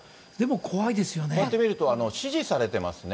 こうやって見ると、指示されてますね。